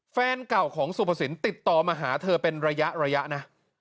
แฟนเก่าของสุภสินติดต่อมาหาเธอเป็นระยะนะ